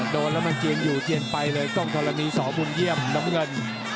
โดนแล้วมันเจียงอยู่เจียนไปเลยกล้องธรณีสอบุญเยี่ยมน้ำเงิน